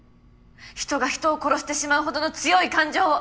人が人を殺してしまうほどの強い感情を。